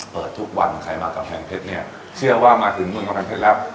เปิดทุกวันใครมากำแพงเพชรเนี่ยเชื่อว่ามาถึงเมืองกำแพงเพชรแล้ว